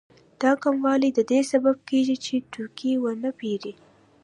دا کموالی د دې سبب کېږي چې توکي ونه پېري